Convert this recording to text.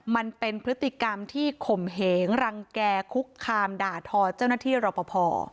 มันเป็นพฤติกรรมที่ข่มเหงรังแก่คุกคามด่าทอเจ้าหน้าที่รอปภ